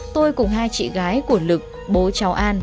tôi cùng hai chị gái của lực bố cháu an